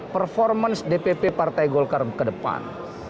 performance dpp partai golkar ke depan